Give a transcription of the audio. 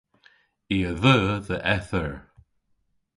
I a dheu dhe eth eur.